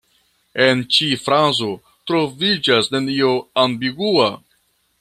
En ĉi frazo troviĝas nenio ambigua.